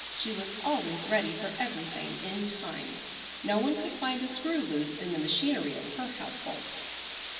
She was always ready for everything in time. No one could find a screw loose in the machinery of her household.